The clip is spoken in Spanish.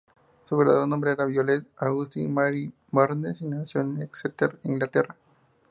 Su verdadero nombre era Violet Augusta Mary Barnes, y nació en Exeter, Inglaterra.